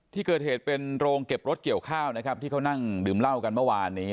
ที่เกิดเหตุเป็นโรงเก็บรถเกี่ยวข้าวนะครับที่เขานั่งดื่มเหล้ากันเมื่อวานนี้